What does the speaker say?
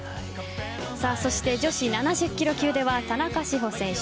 そして女子７０キロ級では田中志歩選手